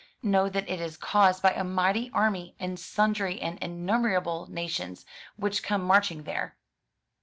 Know that it is caused by a mighty army and sundry and innumerable nations, which come marching there.''